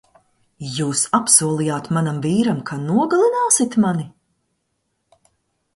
Jūs apsolījāt manam vīram, ka nogalināsit mani?